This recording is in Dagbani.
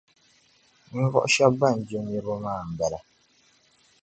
Ninvuɣu shεba ban je niriba maa n bala.